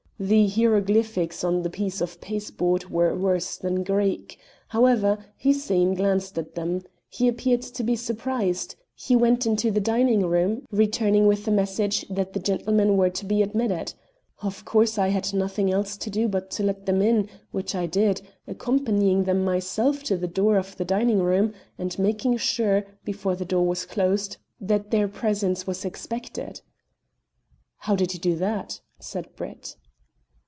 The hieroglyphics on the piece of pasteboard were worse than Greek. However, Hussein glanced at them. He appeared to be surprised; he went into the dining room, returning with the message that the gentlemen were to be admitted. Of course I had nothing else to do but to let them in, which I did, accompanying them myself to the door of the dining room, and making sure, before the door was closed, that their presence was expected." "How did you do that?" said Brett.